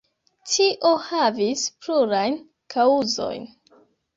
Tio havis plurajn kaŭzojn.